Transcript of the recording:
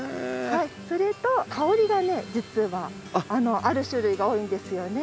それと香りがね実はある種類が多いんですよね。